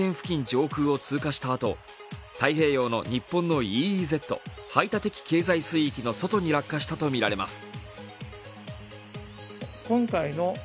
上空を通過した後、太平洋の日本のＥＥＺ＝排他的経済水域の外に落下したとみられます。